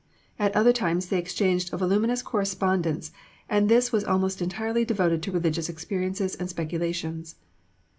At other times they exchanged a voluminous correspondence, and this was almost entirely devoted to religious experiences and speculations.